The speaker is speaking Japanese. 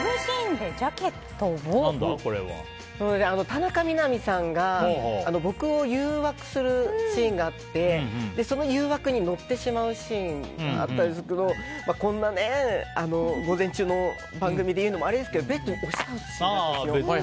それが田中みな実さんが僕を誘惑するシーンがあってその誘惑に乗ってしまうシーンがあったんですけどこんな午前中の番組で言うのもあれなんですけどベッドに押し倒すシーンだったんですよ。